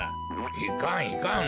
いかんいかん。